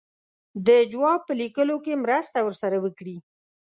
د جواب په لیکلو کې مرسته ورسره وکړي.